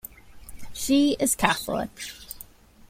She is Catholic.